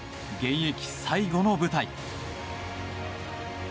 現役最後の舞台。